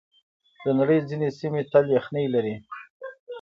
د نړۍ ځینې سیمې تل یخنۍ لري.